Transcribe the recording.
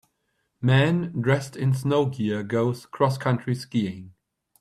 Man dressed in snow gear goes crosscountry skiing.